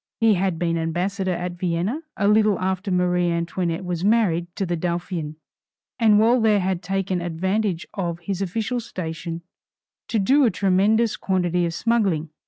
He had been ambassador at Vienna a little after Marie Antoinette was married to the Dauphin, and while there had taken advantage of his official station to do a tremendous quantity of smuggling.